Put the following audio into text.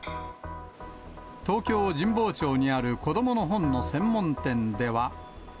東京・神保町にある子どもの本の専門店では。